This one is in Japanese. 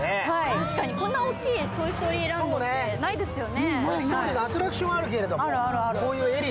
確かに、こんなに大きいトイ・ストーリーランドってないですもんね。